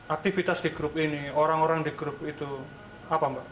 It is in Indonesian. aktivitas di grup ini orang orang di grup itu apa mbak